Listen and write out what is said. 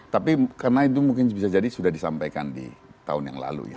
tapi karena itu mungkin bisa jadi sudah disampaikan di tahun yang lalu